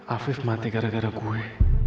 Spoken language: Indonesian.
afif mati gara gara gue